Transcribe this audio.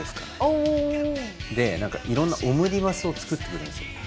お。でいろんなオムニバスを作ってくれるんですよ。